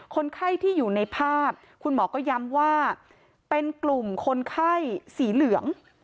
คนไข้ที่อยู่ในภาพคุณหมอก็ย้ำว่าเป็นกลุ่มคนไข้สีเหลือง